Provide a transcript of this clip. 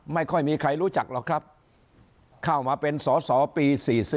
ไม่ค่อยมีใครรู้จักหรอกครับเข้ามาเป็นสอสอปี๔๔